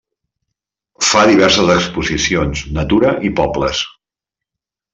Fa diverses exposicions, Natura i pobles.